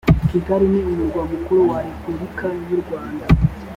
kigali ni umurwa mukuru wa repulika y’u rwanda